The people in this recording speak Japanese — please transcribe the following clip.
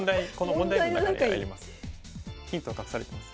ヒント隠されてます。